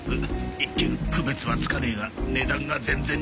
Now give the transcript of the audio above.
一見区別はつかねえが値段が全然違うのさ！